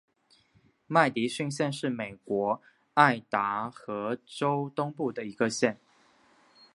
麦迪逊县是美国爱达荷州东部的一个县。